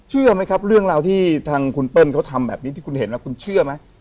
เชื่อหรือไหมเรื่องที่คุณเปิ้ลเขาทำแบบนี้ที่คุณเห็นคุณเชื่อไหม